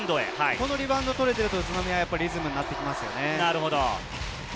このリバウンドを取れていると宇都宮のリズムになってきますね。